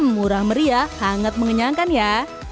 murah meriah hangat mengenyangkan ya